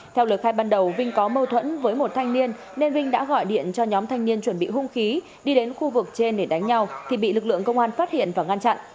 theo lời khai ban đầu vinh có mâu thuẫn với một thanh niên nên vinh đã gọi điện cho nhóm thanh niên chuẩn bị hung khí đi đến khu vực trên để đánh nhau thì bị lực lượng công an phát hiện và ngăn chặn